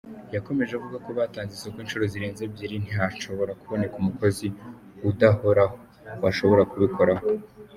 Yakomeje avuga ko batanze isoko inshuro zirenze ebyiri ntihashobora kuboneka umukozi udahoraho washobora kubikoraho.